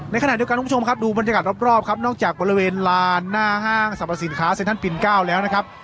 ขณะเดียวกันคุณผู้ชมครับดูบรรยากาศรอบครับนอกจากบริเวณลานหน้าห้างสรรพสินค้าเซ็นทรัลปินเก้าแล้วนะครับ